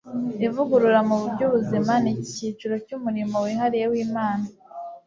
ivugurura mu by'ubuzima ni icyiciro cy'umurimo wihariye w'imana